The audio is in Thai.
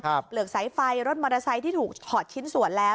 เปลือกสายไฟรถมอเตอร์ไซค์ที่ถูกถอดชิ้นส่วนแล้ว